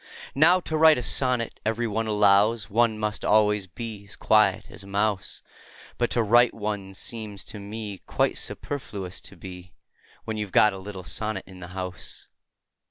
Now, to write a sonnet, every one allows, One must always be as quiet as a mouse; But to write one seems to me Quite superfluous to be, When you 've got a little sonnet in the house.